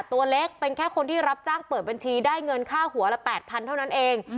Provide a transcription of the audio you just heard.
ตัวเล็กเป็นแค่คนที่รับจ้างเปิดบัญชีได้เงินค่าหัวละ๘๐๐เท่านั้นเอง